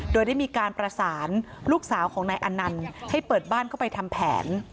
โดยได้มีการประสานลูกสาวของนายอนันต์ให้เปิดบ้านเข้าไปทำแผน